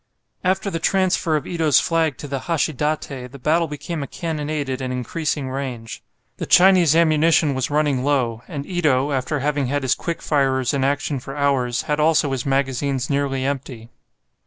After the transfer of Ito's flag to the "Hashidate" the battle became a cannonade at an increasing range. The Chinese ammunition was running low, and Ito, after having had his quick firers in action for hours, had also his magazines nearly empty.